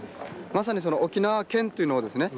まさに沖縄県というのをですね